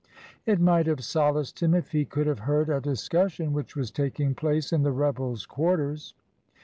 It might have solaced him if he could have heard a discussion which was taking place in the rebels' quarters.